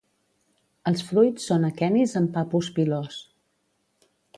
Els fruits són aquenis amb papus pilós.